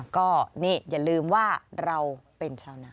ก็นี่อย่าลืมว่าเราเป็นชาวนา